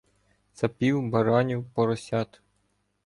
Цапів, баранів, поросят.